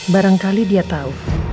barangkali dia tahu